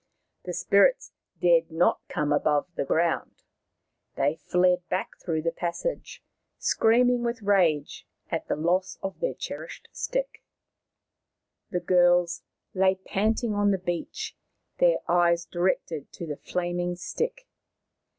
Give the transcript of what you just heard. The spirits dared not come above the ground. They fled back through the passage, scream How the Moon was Made 57 ing with rage at the loss of their cherished stick. The girls lay panting on the beach, their eyes directed to the flaming stick.